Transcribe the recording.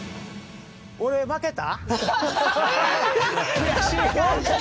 俺、負けた？